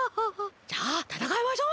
じゃあたたかいましょう。